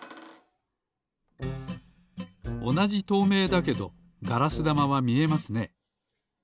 おなじとうめいだけどガラスだまはみえますね。